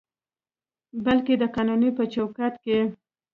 بلکې د قانون په چوکاټ کې